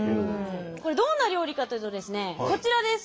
これどんな料理かというとですねこちらです。